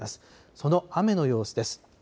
その雨の様子です。